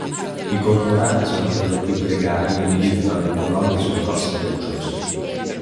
I Cormorani sono per lo più gregari e nidificano in colonie sulle coste rocciose.